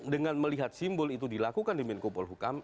dengan melihat simbol itu dilakukan di menkupul hukum